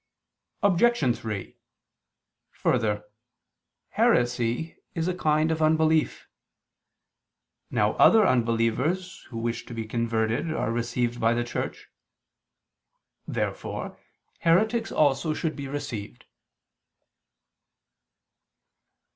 Obj. 3: Further, heresy is a kind of unbelief. Now other unbelievers who wish to be converted are received by the Church. Therefore heretics also should be received.